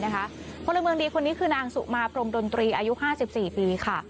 พลเมืองดีคนนี้คือนางสุมาพรมดนตรีอายุ๕๔ปีค่ะ